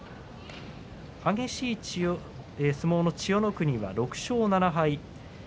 激しい相撲の千代の国が６勝７敗。